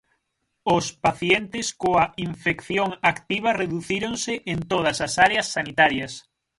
Os pacientes coa infección activa reducíronse en todas as áreas sanitarias.